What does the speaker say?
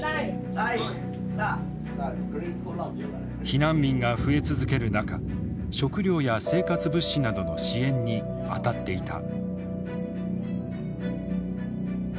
避難民が増え続ける中食糧や生活物資などの支援に当たっていた。